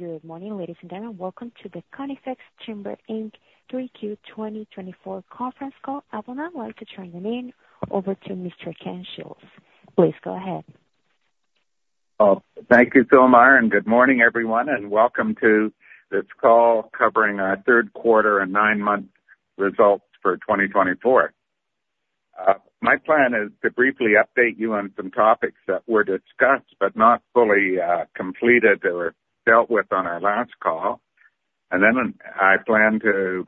Good morning, ladies and gentlemen. Welcome to the Conifex Timber Inc. 3Q 2024 conference call. I will now like to turn the meeting over to Mr. Ken Shields. Please go ahead. Thank you, Stilmore, and good morning, everyone, and welcome to this call covering our third quarter and nine-month results for 2024. My plan is to briefly update you on some topics that were discussed but not fully completed or dealt with on our last call, and then I plan to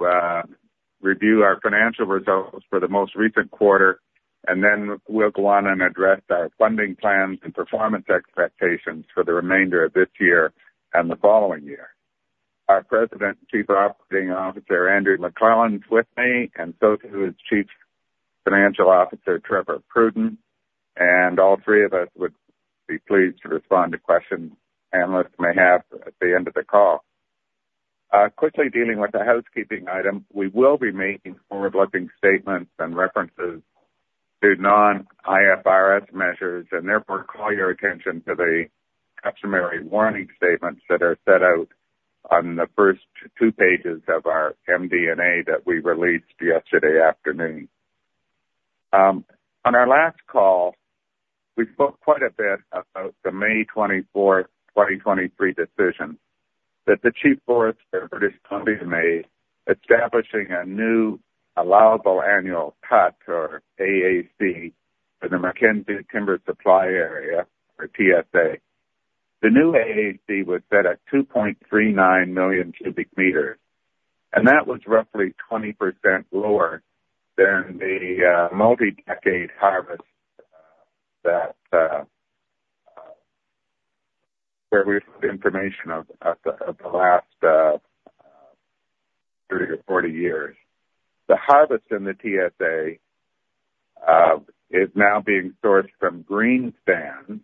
review our financial results for the most recent quarter, and then we'll go on and address our funding plans and performance expectations for the remainder of this year and the following year. Our President and Chief Operating Officer Andrew McLellan is with me, and so too is Chief Financial Officer Trevor Pruden, and all three of us would be pleased to respond to questions analysts may have at the end of the call. Quickly dealing with a housekeeping item, we will be making forward-looking statements and references to non-IFRS measures and therefore call your attention to the customary warning statements that are set out on the first two pages of our MD&A that we released yesterday afternoon. On our last call, we spoke quite a bit about the May 24, 2023 decision that the Chief Forester, British Columbia, made establishing a new allowable annual cut, or AAC, for the Mackenzie Timber Supply Area, or TSA. The new AAC was set at 2.39 million cubic meters, and that was roughly 20% lower than the multi-decade harvest that where we have information of the last 30 or 40 years. The harvest in the TSA is now being sourced from green stands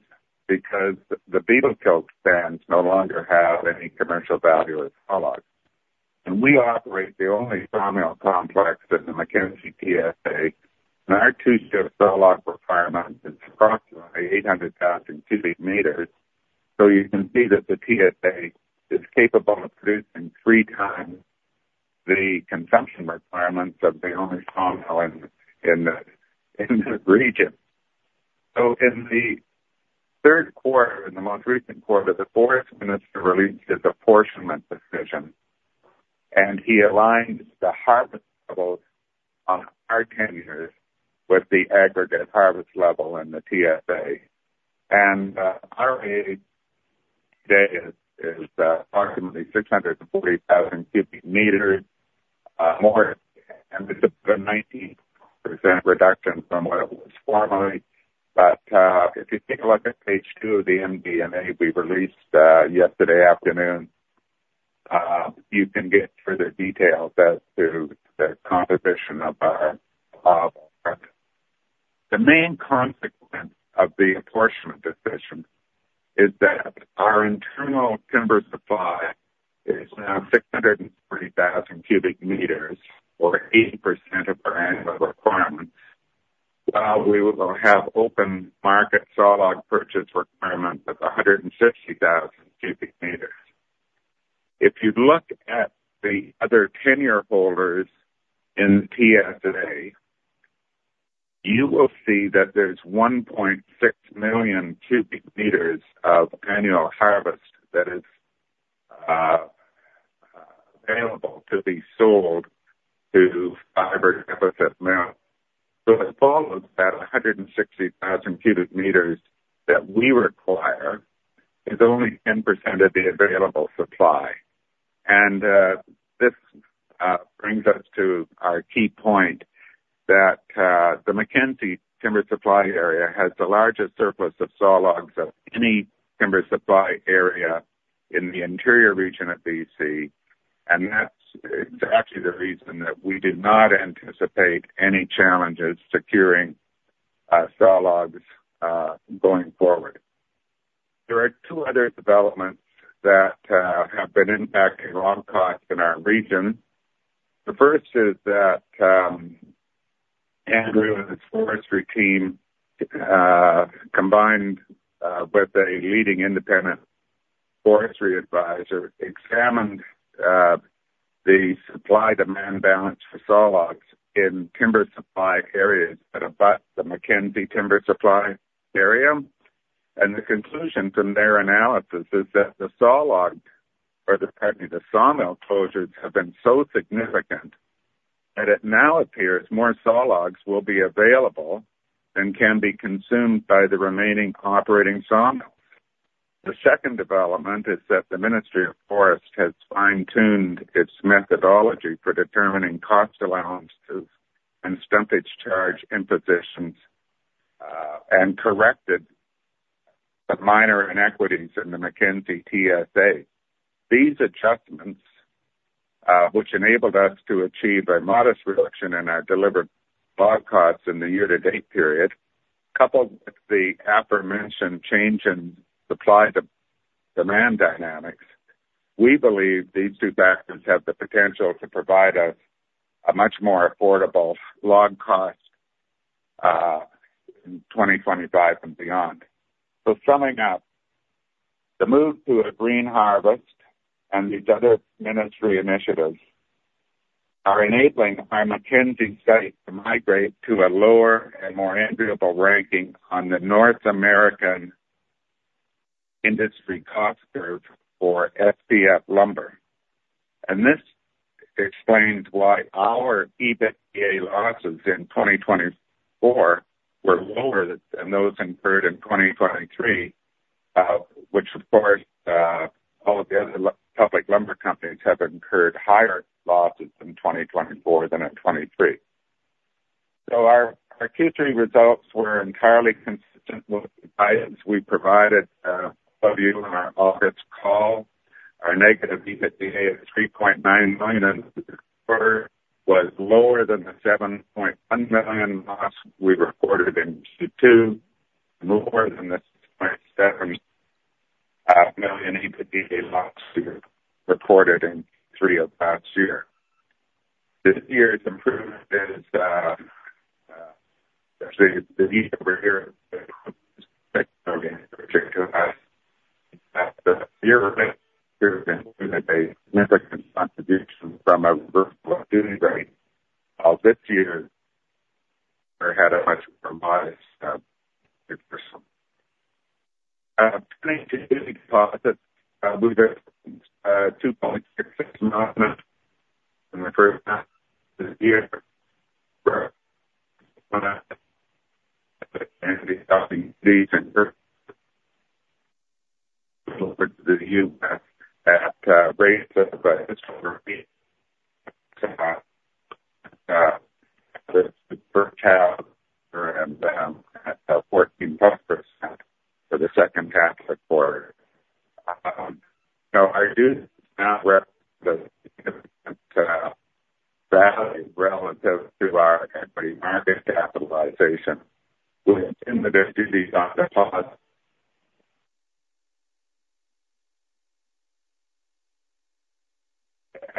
because the beetle kill stands no longer have any commercial value as hog. We operate the only sawmill complex in the Mackenzie TSA, and our two-shift sawlog requirement is approximately 800,000 cubic meters. You can see that the TSA is capable of producing three times the consumption requirements of the only sawmill in the region. In the third quarter, in the most recent quarter, the Forest Minister released his apportionment decision, and he aligned the harvest levels on our tenures with the aggregate harvest level in the TSA. Our rate today is approximately 640,000 cubic meters, and it's a 19% reduction from what it was formerly. If you take a look at page two of the MD&A we released yesterday afternoon, you can get further details as to the composition of our log. The main consequence of the apportionment decision is that our internal timber supply is now 640,000 cubic meters, or 80% of our annual requirements, while we will have open market sawlog purchase requirements of 160,000 cubic meters. If you look at the other tenure holders in the TSA, you will see that there's 1.6 million cubic meters of annual harvest that is available to be sold to fiber deficit mills, so it follows that 160,000 cubic meters that we require is only 10% of the available supply. And this brings us to our key point that the Mackenzie Timber Supply Area has the largest surplus of sawlogs of any timber supply area in the interior region of BC, and that's actually the reason that we did not anticipate any challenges securing sawlogs going forward. There are two other developments that have been impacting log costs in our region. The first is that Andrew and his forestry team, combined with a leading independent forestry advisor, examined the supply-demand balance for sawlogs in timber supply areas that abut the Mackenzie Timber Supply Area. And the conclusion from their analysis is that the sawmill closures have been so significant that it now appears more sawlogs will be available and can be consumed by the remaining operating sawmills. The second development is that the Ministry of Forests has fine-tuned its methodology for determining cost allowances and stumpage charge impositions and corrected the minor inequities in the Mackenzie TSA. These adjustments, which enabled us to achieve a modest reduction in our delivered log costs in the year-to-date period, coupled with the aforementioned change in supply-demand dynamics, we believe these two factors have the potential to provide us a much more affordable log cost in 2025 and beyond. Summing up, the move to a green harvest and these other ministry initiatives are enabling our Mackenzie site to migrate to a lower and more enviable ranking on the North American industry cost curve for SPF lumber. And this explains why our EBITDA losses in 2024 were lower than those incurred in 2023, which, of course, all of the other public lumber companies have incurred higher losses in 2024 than in 2023. Our Q3 results were entirely consistent with the guidance we provided to you in our August call. Our negative EBITDA of 3.9 million this quarter was lower than the 7.1 million loss we reported in Q2, lower than the 6.7 million EBITDA loss we reported in Q3 of last year. This year's improvement is actually the need to review the company's FX earnings to articulate that the year-to-date improvement has been a significant contribution from a reversible duty rate, while this year had a much more modest improvement. Duty deposits moved up 2.66 million in the first half of this year for Mackenzie stumpage, duty and group. This will bring to the U.S. at rates of about 1.8% for the first half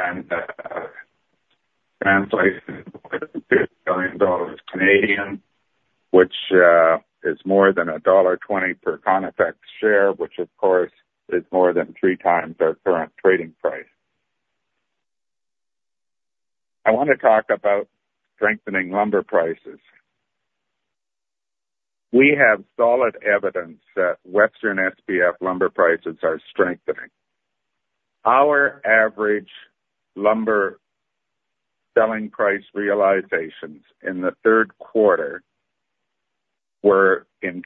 and 14.4% for the second half of the quarter. Now, I do want to recognize the significant value relative to our equity market capitalization within the duty deposits and translates into CAD 150 million, which is more than dollar 1.20 per Conifex share, which, of course, is more than three times our current trading price. I want to talk about strengthening lumber prices. We have solid evidence that Western SPF lumber prices are strengthening. Our average lumber selling price realizations in the third quarter were CAD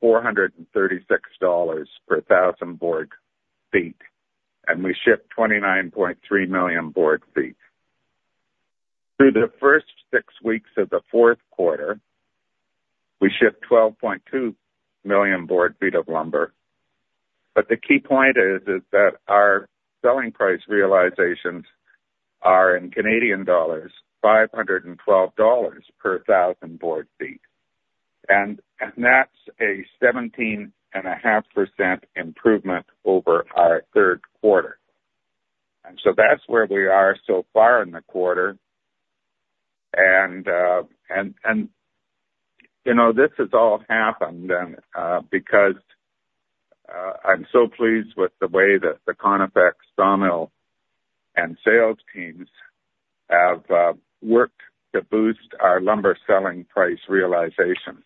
436 per 1,000 board feet, and we shipped 29.3 million board feet. Through the first six weeks of the fourth quarter, we shipped 12.2 million board feet of lumber. But the key point is that our selling price realizations are CAD 512 per 1,000 board feet. And that's a 17.5% improvement over our third quarter. And so that's where we are so far in the quarter. And this has all happened because I'm so pleased with the way that the Conifex sawmill and sales teams have worked to boost our lumber selling price realizations.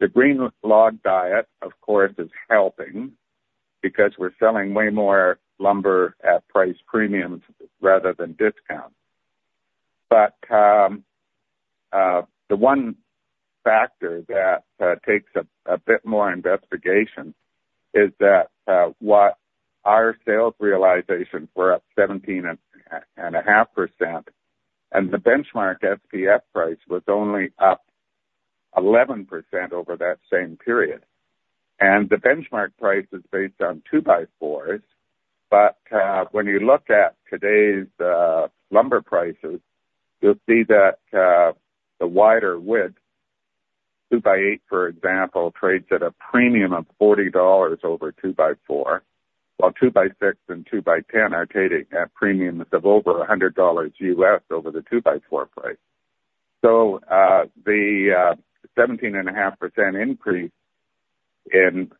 The green log diet, of course, is helping because we're selling way more lumber at price premiums rather than discounts. But the one factor that takes a bit more investigation is that our sales realizations were up 17.5%, and the benchmark SPF price was only up 11% over that same period. And the benchmark price is based on two-by-fours, but when you look at today's lumber prices, you'll see that the wider width, two-by-eight, for example, trades at a premium of $40 over two-by-four, while two-by-six and two-by-ten are trading at premiums of over $100 over the two-by-four price. So the 17.5% increase in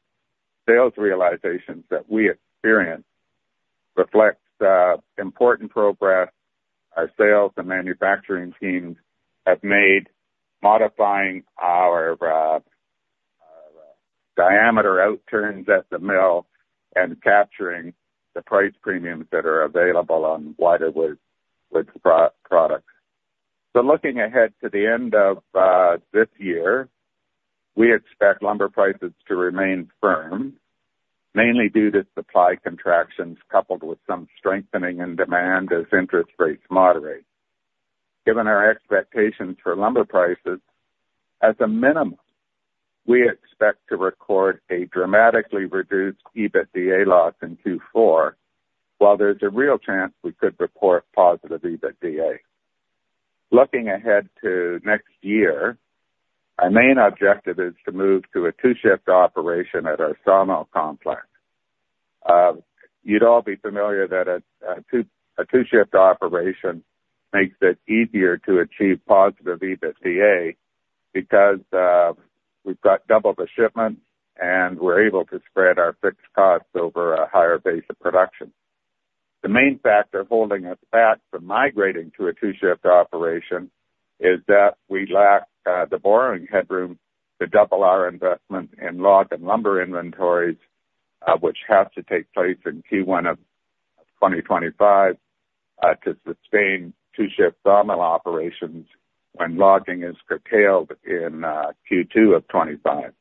sales realizations that we experience reflects important progress our sales and manufacturing teams have made modifying our diameter outturns at the mill and capturing the price premiums that are available on wider wood products. So looking ahead to the end of this year, we expect lumber prices to remain firm, mainly due to supply contractions coupled with some strengthening in demand as interest rates moderate. Given our expectations for lumber prices, at the minimum, we expect to record a dramatically reduced EBITDA loss in Q4, while there's a real chance we could report positive EBITDA. Looking ahead to next year, our main objective is to move to a two-shift operation at our sawmill complex. You'd all be familiar that a two-shift operation makes it easier to achieve positive EBITDA because we've got double the shipments, and we're able to spread our fixed costs over a higher base of production. The main factor holding us back from migrating to a two-shift operation is that we lack the borrowing headroom to double our investment in log and lumber inventories, which has to take place in Q1 of 2025 to sustain two-shift sawmill operations when logging is curtailed in Q2 of 2025.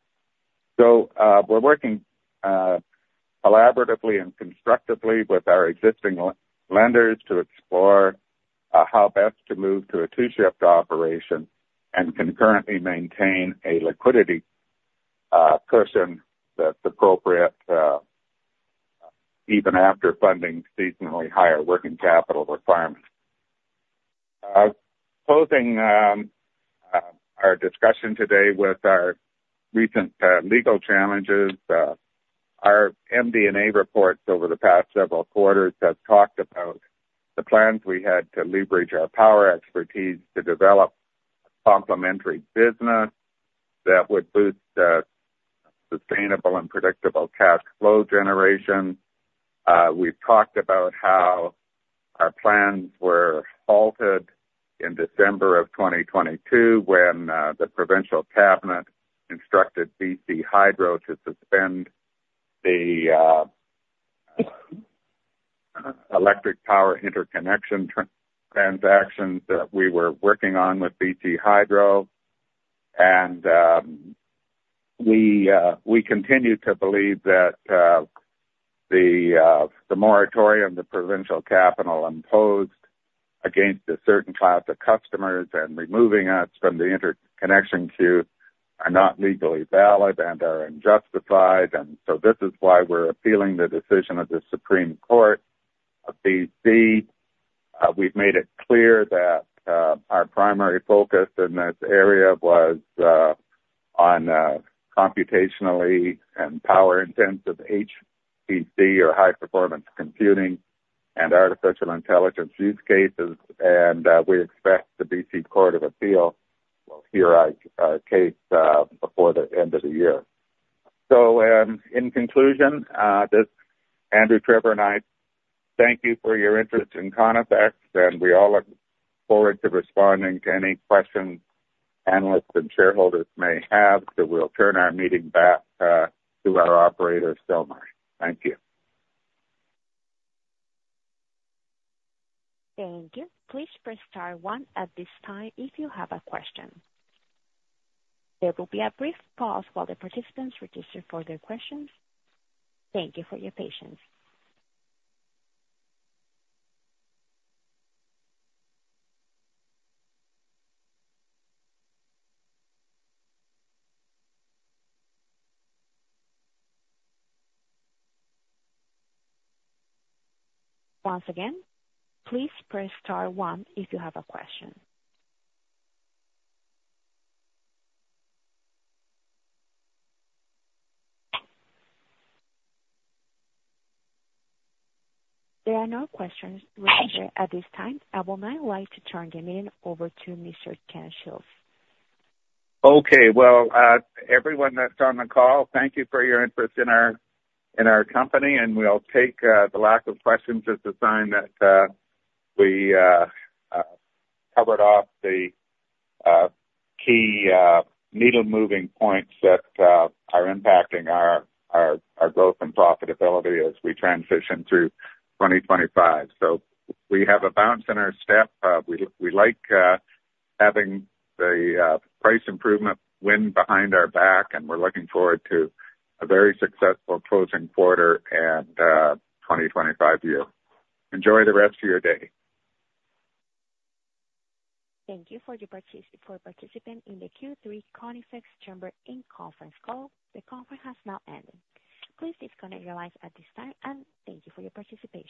So we're working collaboratively and constructively with our existing lenders to explore how best to move to a two-shift operation and concurrently maintain a liquidity cushion that's appropriate even after funding seasonally higher working capital requirements. Closing our discussion today with our recent legal challenges, our MD&A reports over the past several quarters have talked about the plans we had to leverage our power expertise to develop a complementary business that would boost sustainable and predictable cash flow generation. We've talked about how our plans were halted in December of 2022 when the provincial cabinet instructed BC Hydro to suspend the electric power interconnection transactions that we were working on with BC Hydro, and we continue to believe that the moratorium the provincial cabinet imposed against a certain class of customers and removing us from the interconnection queue are not legally valid and are unjustified. And so this is why we're appealing the decision of the Supreme Court of BC. We've made it clear that our primary focus in this area was on computationally and power-intensive HPC, or high-performance computing and artificial intelligence use cases. And we expect the BC Court of Appeal will hear our case before the end of the year. So in conclusion, this is Andrew McLellan and Trevor Pruden and I thank you for your interest in Conifex, and we all look forward to responding to any questions analysts and shareholders may have. So we'll turn our meeting back to our operator, Stilmore. Thank you. Thank you. Please press star one at this time if you have a question. There will be a brief pause while the participants register for their questions. Thank you for your patience. Once again, please press star one if you have a question. There are no questions registered at this time. I will now like to turn the meeting over to Mr. Ken Shields. Okay. Well, everyone that's on the call, thank you for your interest in our company. And we'll take the lack of questions as a sign that we covered off the key needle-moving points that are impacting our growth and profitability as we transition through 2025. So we have a bounce in our step. We like having the price improvement wind behind our back, and we're looking forward to a very successful closing quarter and 2025 year. Enjoy the rest of your day. Thank you for participating in the Q3 Conifex Timber Inc conference call. The conference has now ended. Please disconnect your lines at this time, and thank you for your participation.